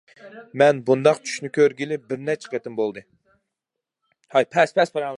مەن بۇنداق چۈشنى كۆرگىلى بىرنەچچە قېتىم بولدى.